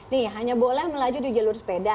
nih hanya boleh melaju di jalur sepeda